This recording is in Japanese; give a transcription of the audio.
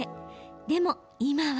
でも、今は。